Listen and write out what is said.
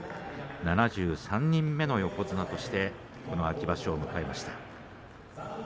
７３人目の横綱としてこの秋場所を迎えました。